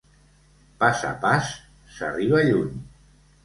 Pas a pas, s'arriba lluny.